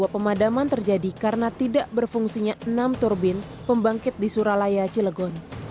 pemadaman terjadi karena tidak berfungsinya enam turbin pembangkit di suralaya cilegon